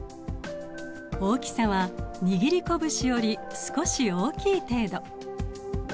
大きさは握りこぶしより少し大きい程度。